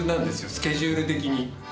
スケジュール的に。